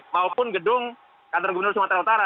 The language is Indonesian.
maupun gedung kantor gubernur sumatera utara